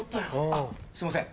あっすいません